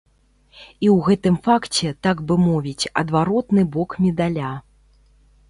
І ў гэтым факце, так бы мовіць, адваротны бок медаля.